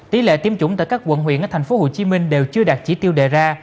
tỷ lệ tiêm chủng tại các quận huyện ở tp hcm đều chưa đạt chỉ tiêu đề ra